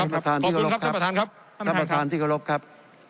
ขอบคุณครับท่านประธานครับท่านประธานที่เคารพครับ